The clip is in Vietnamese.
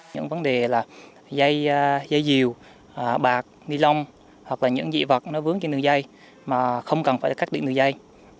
những vấn đề là dây dìu bạc nilon hoặc là những dị vật nó vướng trên đường dây mà không cần phải cắt điện đường dây